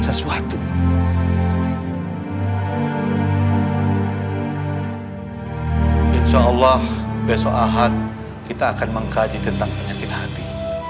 insya allah besok ahad kita akan mengkaji tentang penyakit hati